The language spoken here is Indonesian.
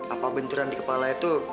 apa benturan di kepala itu